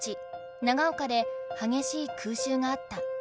長岡ではげしい空襲があった。